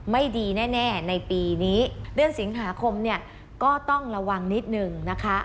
ไม่ดีแน่ในปีนี้เดือนสิงหาคมเนี่ยก็ต้องระวังนิดนึงนะคะ